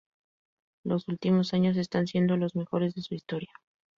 Los últimos años están siendo los mejores de su historia.